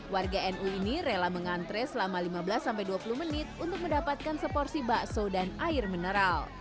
warga nu ini rela mengantre selama lima belas sampai dua puluh menit untuk mendapatkan seporsi bakso dan air mineral